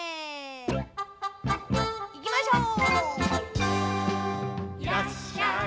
いきましょう！